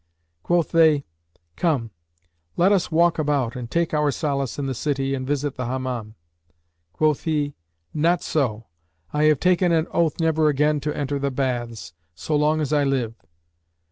Quoth they, "Come, let us walk about and take our solace in the city and visit the Hammam." Quoth he, "Not so: I have taken an oath never again to enter the baths, so long as I live."